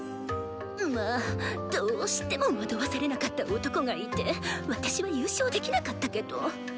まぁどうしても惑わされなかった男がいて私は優勝できなかったけど。